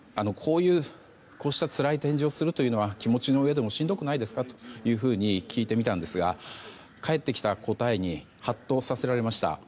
こうしたつらい展示をするのは気持ちの上でもしんどくないですかと聞いてみたんですが返ってきた答えにはっとさせられました。